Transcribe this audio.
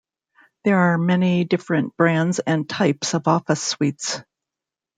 There are many different brands and types of office suites.